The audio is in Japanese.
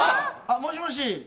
もしもし！